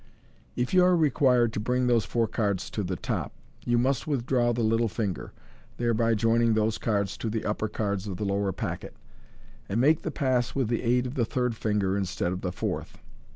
If you are required to bring those four cards to the top, you must withdraw the little finger (thereby joining those cards to the upper cards of the lower packet) and make the pass with the aid of the third finger instead of the fourth.